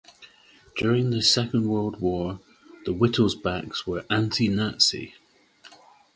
During the Second World War, the Wittelsbachs were anti-Nazi.